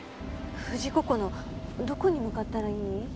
富士五湖のどこに向かったらいい？